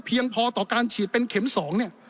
เพียงพอต่อการฉีดเป็นเข็มสอง